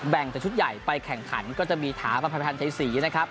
แบ่งจากชุดใหญ่ไปแข่งขันก็จะมีถาพันธุ์ภัณฑ์ไทยสีนะครับ